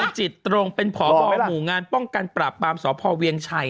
จิตตรงเป็นพบหมู่งานป้องกันปราบปรามสพเวียงชัย